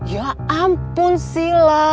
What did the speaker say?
ya ampun sila